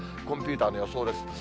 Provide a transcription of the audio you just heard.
コンピューターの予想です。